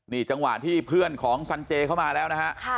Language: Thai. นี่จังหวะที่เพื่อนของสันเจเข้ามาแล้วนะฮะ